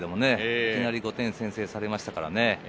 いきなり５点先制されましたからね。